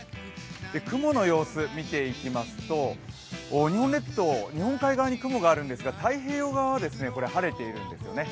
雲の様子見ていきますと日本列島、日本列島、日本海側に雲があるんですが太平洋側は晴れているんですね。